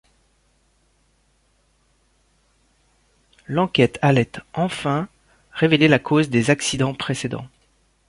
L'enquête allait enfin révéler la cause des accidents précédents.